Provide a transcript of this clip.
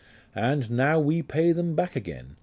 'And now we pay them back again